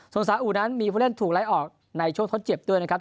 ส่วนสาอุนั้นมีผู้เล่นถูกไล่ออกในช่วงทดเจ็บด้วยนะครับ